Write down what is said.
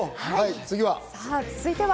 次は？